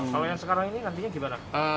kalau yang sekarang ini nantinya gimana